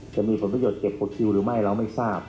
จะมีผลประโยชน์เก็บตัวคิวหรือไม่เราไม่ทราบ